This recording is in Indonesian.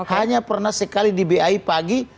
hanya pernah sekali di bai pagi